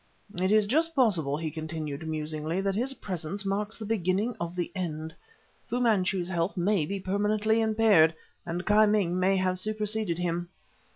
"It is just possible," he continued musingly, "that his presence marks the beginning of the end. Fu Manchu's health may be permanently impaired, and Ki Ming may have superceded him."